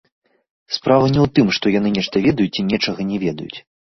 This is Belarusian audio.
Справа не ў тым, што яны нешта ведаюць ці нечага не ведаюць.